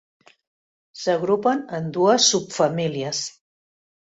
S'agrupen en dues subfamílies.